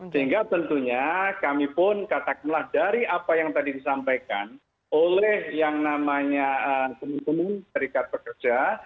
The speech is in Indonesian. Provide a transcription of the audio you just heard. sehingga tentunya kami pun katakanlah dari apa yang tadi disampaikan oleh yang namanya teman teman serikat pekerja